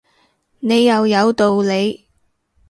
你又有道理